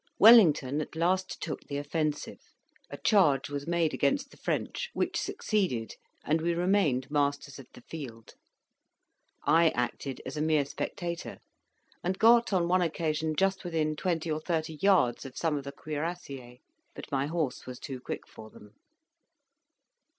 Wellington at last took the offensive; a charge was made against the French, which succeeded, and we remained masters of the field. I acted as a mere spectator, and got, on one occasion, just within twenty or thirty yards of some of the cuirassiers; but my horse was too quick for them.